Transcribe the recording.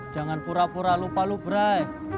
jangan pura pura lupa lo brai